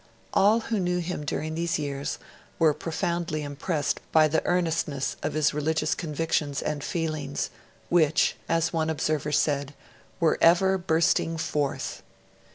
All who knew him during these years were profoundly impressed by the earnestness of his religious convictions and feelings, which, as one observer said, 'were ever bursting forth'.